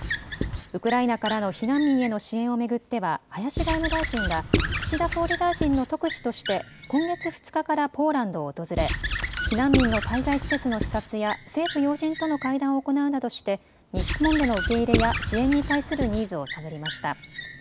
ウクライナからの避難民への支援をめぐっては林外務大臣が岸田総理大臣の特使として今月２日からポーランドを訪れ避難民の滞在施設の視察や政府要人との会談を行うなどして日本での受け入れや支援に対するニーズを探りました。